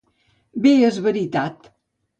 Bé és veritat.